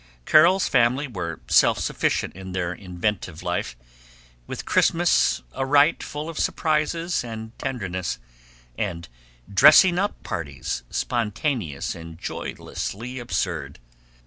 Carol's family were self sufficient in their inventive life, with Christmas a rite full of surprises and tenderness, and "dressing up parties" spontaneous and joyously absurd.